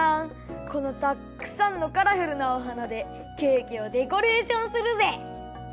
このたっくさんのカラフルなお花でケーキをデコレーションするぜ！